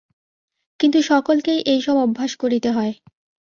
কিন্তু সকলকেই এ-সব অভ্যাস করিতে হয়।